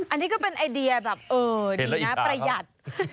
อันนี้ก็เป็นไอเดียแบบเออดีนะประหยัด